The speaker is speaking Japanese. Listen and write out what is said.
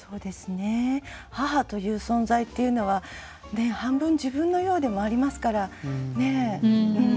母という存在というのは半分自分のようでもありますから。